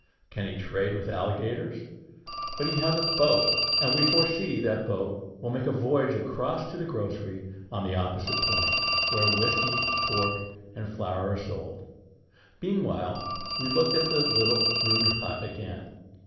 Can he trade with alligators? But he has a boat; and we foresee that that boat will make a voyage across to the grocery on the opposite point, where whiskey, pork, and flour are sold. Meanwhile we looked at the little rude hut again.